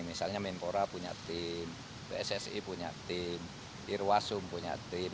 misalnya menpora punya tim pssi punya tim irwasum punya tim